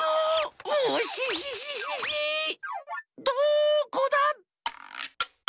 どこだ？